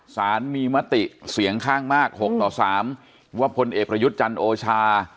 สารมีมติเสียงข้างมาก๖ต่อ๓ว่าพลเอกประยุทธ์จันทร์โอชา